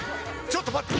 ちょっと待った！